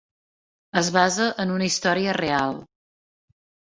Es basa en una història real.